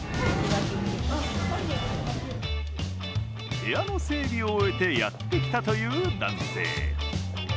部屋の整理を終えてやってきたという男性。